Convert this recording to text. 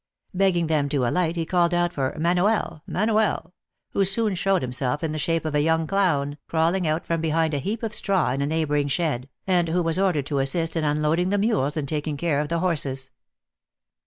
Begging them to alight, he called out for " Manoel ! Manoel !" who soon showed himself in the shape of a young clown, crawling out from behind a heap of straw in a neighboring shed, and who was ordered to assist in unloading the mules and taking care of the horses.